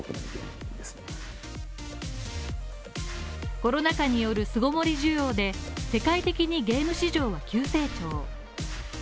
コロナ禍による巣ごもり需要で、世界的にゲーム市場は急成長。